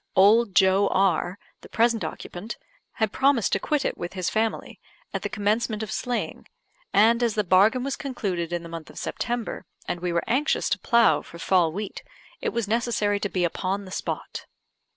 Old Joe R , the present occupant, had promised to quit it with his family, at the commencement of sleighing; and as the bargain was concluded in the month of September, and we were anxious to plough for fall wheat, it was necessary to be upon the spot.